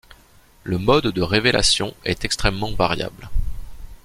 Le mode de révélation est extrêmement variable.